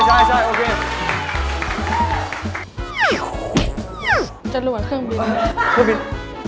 จัดหลวงเครื่องบิน